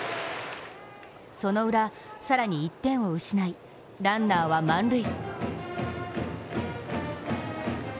そのウラ、更に１点を失い、ランナーは満塁。